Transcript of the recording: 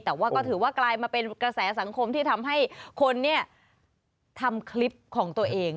แต่ว่าก็ถือว่ากลายมาเป็นกระแสสังคมที่ทำให้คนเนี่ยทำคลิปของตัวเอง